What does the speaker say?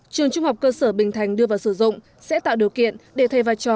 trường trung học cơ sở bình thành đưa vào sử dụng sẽ tạo điều kiện để thay và cho